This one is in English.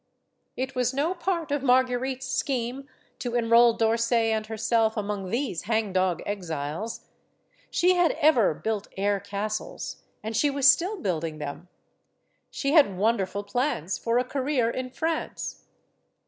It was no part of Marguerite's scheme to enroll D'Orsay and herself among these hangdog exiles. She had ever built air castles, and she was still building them. She had wonderful plans for a career in France.